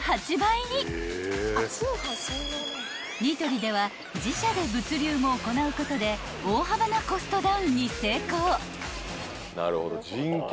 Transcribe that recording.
［ニトリでは自社で物流も行うことで大幅なコストダウンに成功］